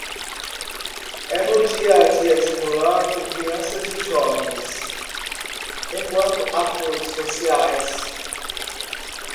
É no dia-a-dia escolar que crianças e jovens, enquanto atores sociais